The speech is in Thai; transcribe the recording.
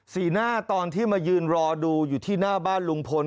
หน้าตอนที่มายืนรอดูอยู่ที่หน้าบ้านลุงพล